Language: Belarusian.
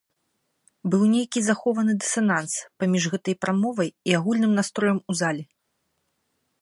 Быў нейкі захованы дысананс паміж гэтай прамовай і агульным настроем у залі.